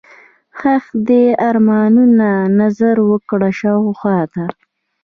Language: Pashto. ښخ دي ارمانونه، نظر وکړه شاوخواته